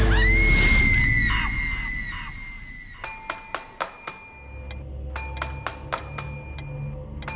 รับคำแนะนำเข้าไปได้